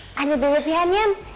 eh ada baby pianian